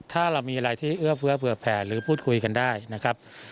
ถ้าเรามีอะไรที่เอื้อเฟื้อเผื่อแผ่หรือพูดคุยกันได้นะครับ